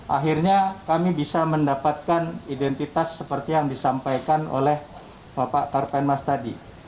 akhirnya kami bisa mendapatkan identitas seperti yang disampaikan oleh bapak karpen mas tadi